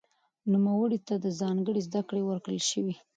نوموړي ته ځانګړې زده کړې ورکړل شوې.